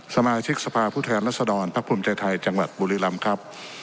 สมาชิกสภาผู้แทนและสดรพพรูมเจนทใน้จังหวัดบุรีลำครับ